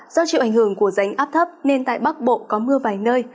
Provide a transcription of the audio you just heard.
do chịu ảnh hưởng của ránh áp thấp nên tại bắc bộ có mưa vài nơi